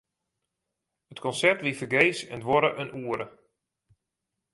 It konsert wie fergees en duorre in oere.